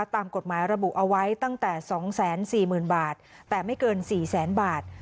ตามกฎหมายระบุเอาไว้ตั้งแต่๒๔๐๐๐บาทแต่ไม่เกิน๔แสนบาท